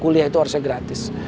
kuliah itu harusnya gratis